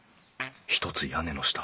ひとつ屋根の下